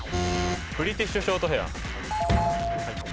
ブリティッシュショートヘア。